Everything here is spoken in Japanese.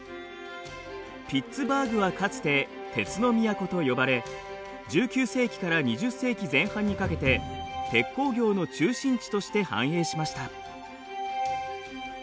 ピッツバーグはかつて鉄の都と呼ばれ１９世紀から２０世紀前半にかけて鉄鋼業の中心地として繁栄しました。